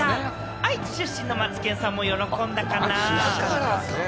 愛知出身のマツケンさんも喜んだかな？